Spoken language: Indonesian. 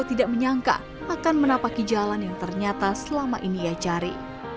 tidak menyangka akan menapaki jalan yang ternyata selama ini ia cari